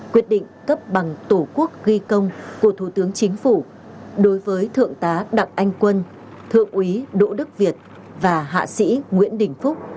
quyết định cấp bằng tổ quốc ghi công của thủ tướng chính phủ đối với thượng tá đặng anh quân thượng úy đỗ đức việt và hạ sĩ nguyễn đình phúc